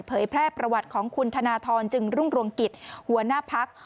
แพร่ประวัติของคุณธนทรจึงรุ่งรวงกิจหัวหน้าพัก